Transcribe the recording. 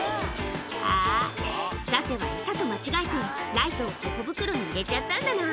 あぁさてはエサと間違えてライトを頬袋に入れちゃったんだな？